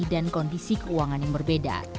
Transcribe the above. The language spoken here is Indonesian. dan kondisi keuangan yang berbeda